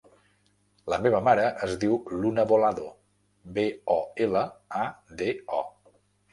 La meva mare es diu Luna Bolado: be, o, ela, a, de, o.